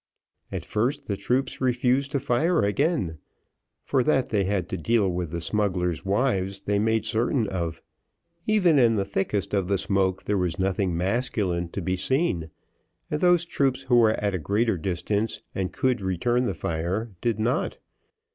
At first, the troops refused to fire again, for that they had to deal with the smugglers' wives, they made certain of: even in the thickest of the smoke there was nothing masculine to be seen; and those troops who were at a greater distance, and who could return the fire, did not.